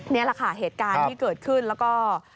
นี่แหละค่ะเหตุการณ์ที่เกิดขึ้นแล้วก็